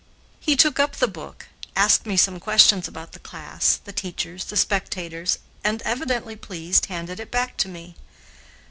He took up the book, asked me some questions about the class, the teachers, the spectators, and, evidently pleased, handed it back to me.